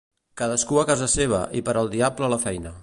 Cadascú a casa seva i per al diable la feina.